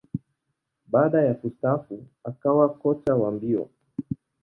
Baada ya kustaafu, akawa kocha wa mbio.